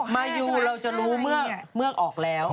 มายูเราจะรู้เมื่อออกแล้ว